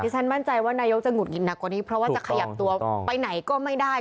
ฉันมั่นใจว่านายกจะหุดหงิดหนักกว่านี้เพราะว่าจะขยับตัวไปไหนก็ไม่ได้